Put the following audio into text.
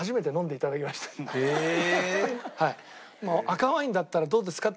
赤ワインだったらどうですか？